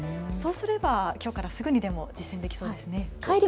そうすれば、きょうからすぐにでも実践できそうですね。